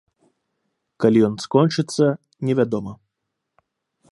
Калі ён скончыцца, невядома.